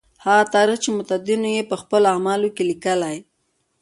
هغه تاریخ چې متدینو یې په خپلو اعمالو لیکلی.